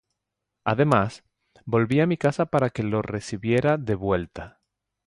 Además, volvía a mi casa para que lo recibiera de vuelta.